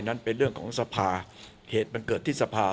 นั้นเป็นเรื่องของสภาเหตุมันเกิดที่สภา